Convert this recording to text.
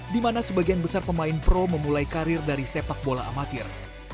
di mana sebagian besar pemain pro memulai karir dari sepak bola amatir